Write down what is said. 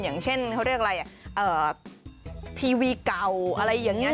อย่างเช่นเขาเรียกอะไรทีวีเก่าอะไรอย่างนี้